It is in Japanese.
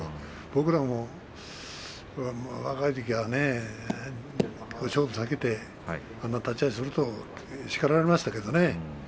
僕らも若いときには勝負を避けてあんな立ち合いすると叱られましたけれどもね。